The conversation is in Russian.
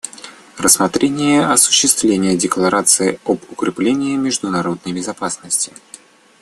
Рассмотрение осуществления Декларации об укреплении международной безопасности.